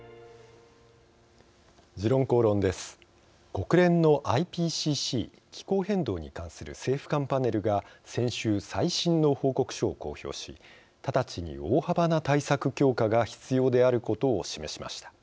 国連のＩＰＣＣ＝気候変動に関する政府間パネルが先週、最新の報告書を公表し直ちに大幅な対策強化が必要であることを示しました。